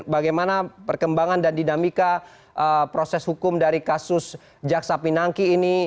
bagaimana perkembangan dan dinamika proses hukum dari kasus jaksa pinangki ini